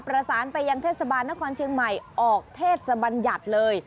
ประสานไปยังเทศบาลนครเชียงใหม่ออกเทศบัญญัติเลย